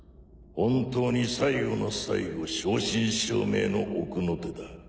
本当に最後の最期正真正銘の奥の手だ。